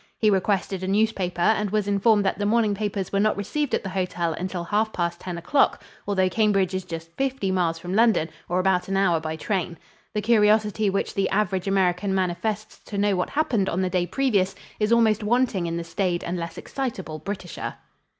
He requested a newspaper and was informed that the morning papers were not received at the hotel until half past ten o'clock, although Cambridge is just fifty miles from London, or about an hour by train. The curiosity which the average American manifests to know what happened on the day previous is almost wanting in the staid and less excitable Britisher.